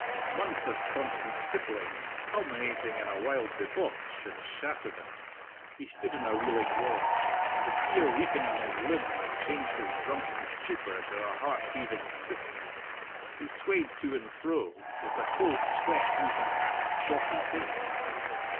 Months of constant tippling, culminating in a wild debauch, had shattered him. He stood in a reeling world. And the fear weakening his limbs changed his drunken stupor to a heart heaving sickness. He swayed to and fro, with a cold sweat oozing from his chalky face.